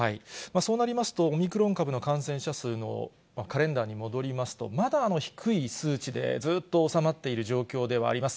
そうなりますと、オミクロン株の感染者数のカレンダーに戻りますと、まだ低い数値でずっと収まっている状況ではあります。